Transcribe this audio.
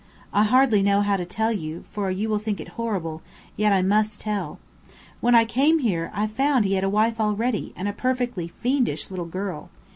I hardly know how to tell you, for you will think it horrible, yet I must tell. When I came here, I found he had a wife already, and a perfectly fiendish little girl.